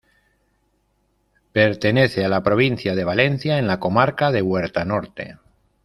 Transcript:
Pertenece a la provincia de Valencia, en la comarca de Huerta Norte.